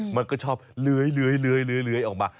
มันก็ชอบเลื้อยออกมา